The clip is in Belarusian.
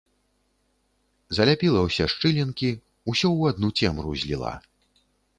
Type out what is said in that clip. Заляпіла ўсе шчылінкі, усё ў адну цемру зліла.